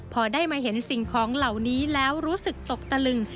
พอได้มาเห็นสิ่งของเหล่านี้แล้วรู้สึกตกตะลึง